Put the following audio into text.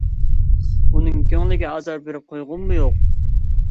ئۇنىڭ كۆڭلىگە ئازار بېرىپ قويغۇممۇ يوق.